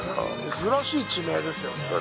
珍しい地名ですよねぇ。